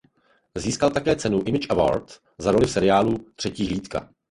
Získal také cenu Image Award za roli v seriálu "Třetí hlídka".